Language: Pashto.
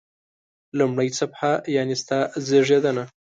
لومړی صفحه: یعنی ستا زیږېدنه.